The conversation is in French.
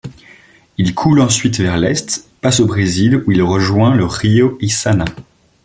Il coule ensuite vers l'est, passe au Brésil où il rejoint le río Içana.